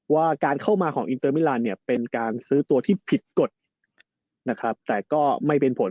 ว่าการเข้ามาของอินเตอร์มิลานเนี่ยเป็นการซื้อตัวที่ผิดกฎนะครับแต่ก็ไม่เป็นผล